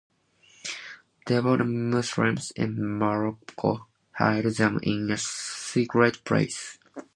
Devout Muslims in Morocco hide them in a secret place.